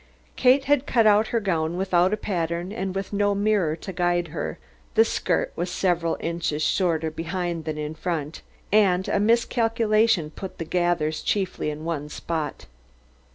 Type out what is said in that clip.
Kate had cut out her gown without a pattern and with no mirror to guide her, the skirt was several inches shorter behind than in front, and a miscalculation put the gathers chiefly in one spot.